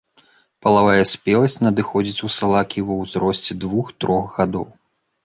Палавая спеласць надыходзіць у салакі ва ўзросце двух-трох гадоў.